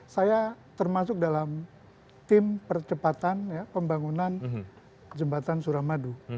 saya termasuk dalam tim percepatan pembangunan jembatan suramadu